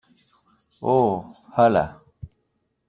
oh... ¡ hala!